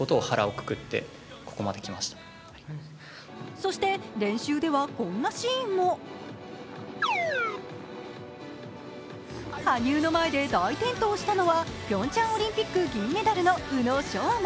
そして、練習ではこんなシーンも羽生の前で大転倒したのはピョンチャンオリンピック銀メダルの宇野昌磨。